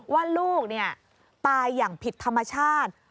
ว่าลูกตายอย่างผิดธรรมชาติ